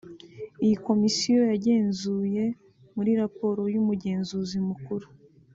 Iyi komisiyo yagenzuye muri Raporo y’Umugenzuzi Mukuru